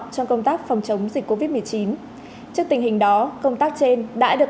trong công tác phòng chống dịch covid một mươi chín trước tình hình đó công tác trên đã được